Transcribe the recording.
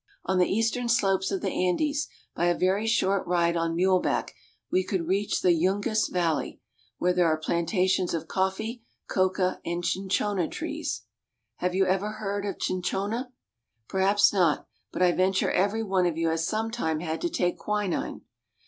On the eastern slopes of the Andes, by a very short ride on muleback, we could reach the Yungas valley, where there are plantations of coffee, coca, and cinchona trees. Have you ever heard of cinchona? Perhaps not, but I venture every one of you has sometime had to take quinine.